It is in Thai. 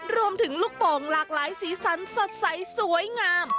ลูกโป่งหลากหลายสีสันสดใสสวยงาม